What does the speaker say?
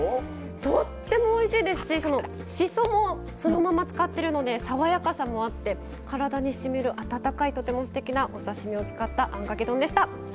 とってもおいしいですししそも、そのまま使っていて爽やかさもあって体にしみる温かい、とてもすてきなお刺身を使ったあんかけ丼でした。